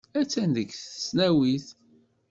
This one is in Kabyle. Attan deg tesnawit.